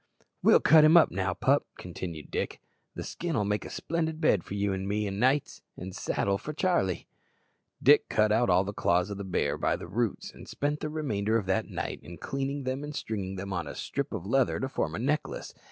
"We'll cut him up now, pup," continued Dick. "The skin'll make a splendid bed for you an' me o' nights, and a saddle for Charlie." Dick cut out all the claws of the bear by the roots, and spent the remainder of that night in cleaning them and stringing them on a strip of leather to form a necklace.